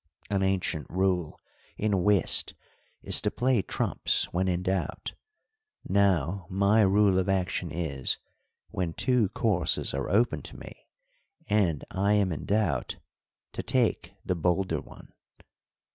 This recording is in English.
An ancient rule in whist is to play trumps when in doubt; now my rule of action is, when two courses are open to me and I am in doubt, to take the bolder one.